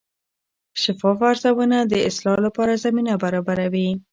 شفاف ارزونه د اصلاح لپاره زمینه برابروي.